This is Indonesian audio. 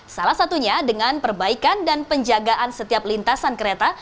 salah satunya dengan perbaikan dan penjagaan setiap lintasan kereta